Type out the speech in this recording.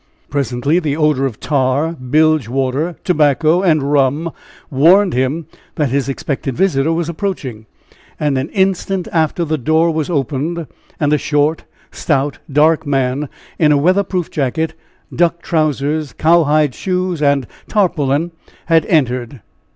Presently the odor of tar, bilge water, tobacco and rum warned him that his expected visitor was approaching. And an instant after the door was opened, and a short, stout, dark man in a weather proof jacket, duck trousers, cow hide shoes, and tarpaulin hat entered.